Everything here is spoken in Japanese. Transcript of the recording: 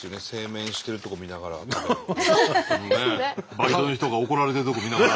バイトの人が怒られてるとこ見ながら。